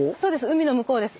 海のむこうです。